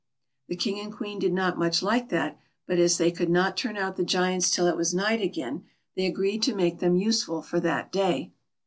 The King and Queen did not much like that, but as they could not turn out the Giants till it was night again, they agreed to make them useful for that day.